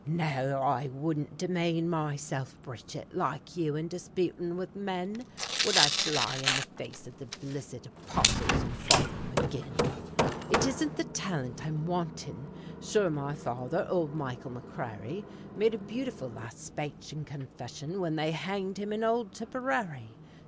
No! I wouldn't demane myself, Bridget, Like you, in disputin' with men Would I fly in the face of the blissed Apostles, an' Father Maginn? It isn't the talent I'm wantin' Sure my father, ould Michael McCrary, Made a beautiful last spache and confession When they hanged him in ould Tipperary.